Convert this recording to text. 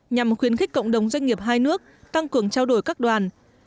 nhằm khuyến khích cộng đồng doanh nghiệp hai nước tăng cường trao đổi các đoàn